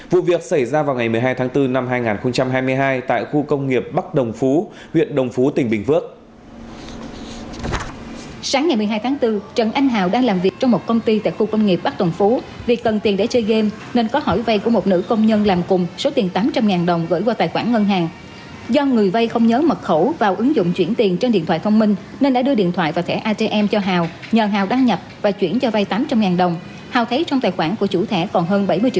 vụ việc xảy ra vào ngày một mươi hai tháng bốn năm hai nghìn hai mươi hai tại khu công nghiệp bắc đồng phú huyện đồng phú tỉnh bình phước